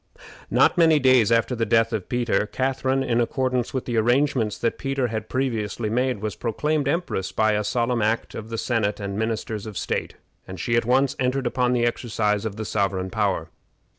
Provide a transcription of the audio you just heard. Not many days after the death of Peter, Catharine, in accordance with the arrangements that Peter had previously made, was proclaimed empress by a solemn act of the senate and ministers of state, and she at once entered upon the exercise of the sovereign power.